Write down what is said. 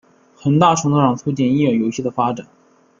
很大程度上促成音乐游戏的发展。